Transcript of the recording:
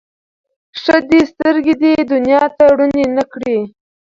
ښه دی سترګي دي دنیا ته روڼي نه کړې